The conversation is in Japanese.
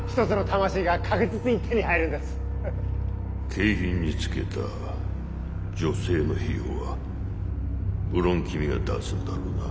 景品につけた女性の費用はむろん君が出すんだろうな。